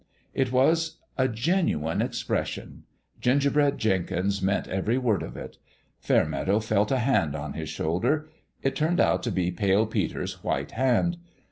" It was a genuine expression : Gingerbread Jenkins meant every word of it. Fairmeadow felt a hand on his shoulder. It turned out to be Pale Peter's white hand.